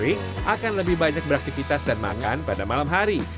dimana jangkrik akan lebih banyak beraktifitas dan makan pada malam hari